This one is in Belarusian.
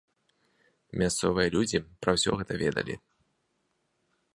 Мясцовыя людзі пра ўсё гэта ведалі.